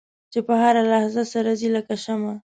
چې په هره لحظه سر ځي لکه شمع.